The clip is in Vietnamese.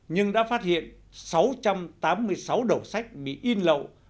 nhưng đã phát hiện sáu trăm tám mươi sáu đầu sách bị in lậu